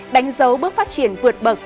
đánh dấu bước phát triển vượt bậc